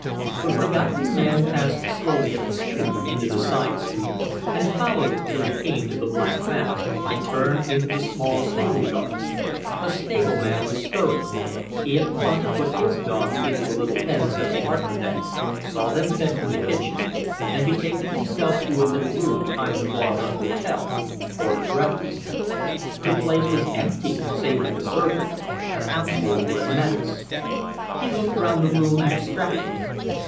The Forgotten Man passed slowly up the street, into the side street, and followed it till he came to The Black Bass, and turned into the small stable yard. A stable man was stirring. He at once put his dogs into a little pen set apart for them, saw them fed from the kitchen, and, betaking himself to a little room behind the bar of the hotel, ordered breakfast. The place was empty, save for the servant the household were at Mass. He looked round the room abstractedly.